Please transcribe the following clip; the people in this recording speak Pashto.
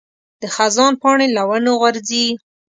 د خزان پاڼې له ونو غورځي.